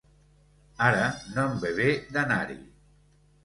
Ara no em ve bé d'anar-hi.